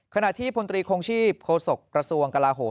ขณะที่พลตรีคงชีพโฆษกประสุนกราศวงศ์กระลาโหม